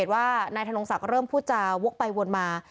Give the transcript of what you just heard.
ว่านายธนงศักดิ์เริ่มพูดจาวกไปวนมา